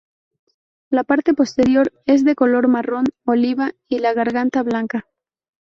La parte posterior es de color marrón oliva y la garganta blanca.